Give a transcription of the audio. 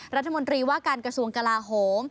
รัฐมนตรีว่าการกระสวงกิบาทหลโหม